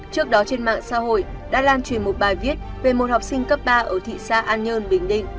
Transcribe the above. trước đó trên mạng xã hội đã lan truyền một bài viết về một học sinh cấp ba ở thị xã an nhơn bình định